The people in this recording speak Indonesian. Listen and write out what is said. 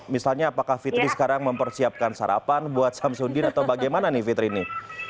misalnya apakah fitri sekarang mempersiapkan sarapan buat samsudin atau bagaimana nih fitri ini